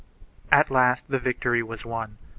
2 At last the victory was won.